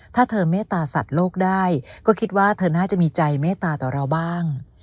ถ้าเธอเมตตาสัตว์โลกได้ก็คิดว่าเธอน่าจะมีใจเมตตาต่อเราบ้าง